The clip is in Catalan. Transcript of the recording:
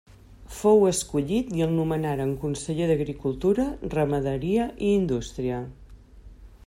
Fou escollit i el nomenaren conseller d'agricultura, ramaderia i indústria.